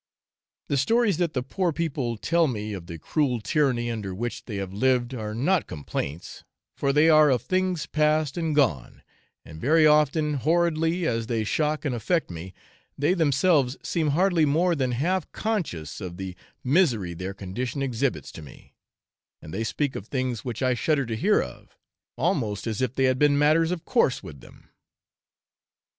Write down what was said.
The stories that the poor people tell me of the cruel tyranny under which they have lived are not complaints, for they are of things past and gone, and very often, horridly as they shock and affect me, they themselves seem hardly more than half conscious of the misery their condition exhibits to me, and they speak of things which I shudder to hear of, almost as if they had been matters of course with them.